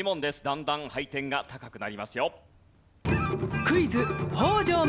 だんだん配点が高くなりますよ。